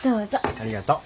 ありがとう。